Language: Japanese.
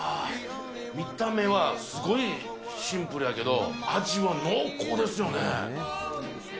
見た目はすごいシンプルやけど、味は濃厚ですよね。